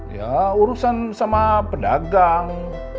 ya urusan sama pedagang